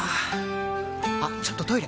あっちょっとトイレ！